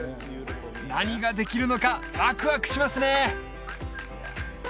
何ができるのかワクワクしますね！